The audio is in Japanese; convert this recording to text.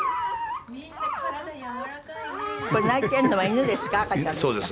これ鳴いてるのは犬ですか？